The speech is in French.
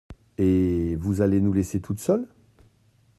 Et vous allez nous laisser toutes seules ?…